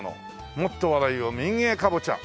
もっと笑いを民芸かぼちゃ」